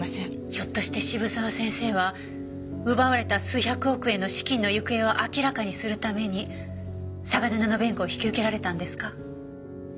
ひょっとして渋沢先生は奪われた数百億円の資金の行方を明らかにするために嵯峨根田の弁護を引き受けられたんですか？